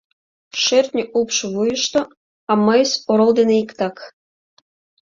Шӧртньӧ упш вуйышто, а мыйс орол дене иктак.